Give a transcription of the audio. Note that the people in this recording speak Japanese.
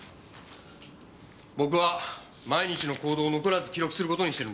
僕は毎日の行動を残らず記録する事にしてるんです。